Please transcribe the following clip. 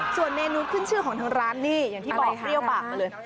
ส่วนเมนูขึ้นชื่อของทางร้านนี่อย่างที่บอกเปรี้ยวปากมาเลย